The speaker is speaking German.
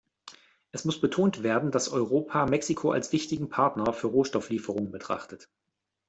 Es muss betont werden, dass Europa Mexiko als wichtigen Partner für Rohstofflieferungen betrachtet.